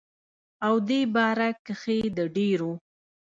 او دې باره کښې دَ ډيرو